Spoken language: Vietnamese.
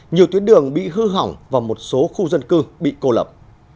nhiều tuyến đường bị hư hỏng và một số khu dân cư bị cô lập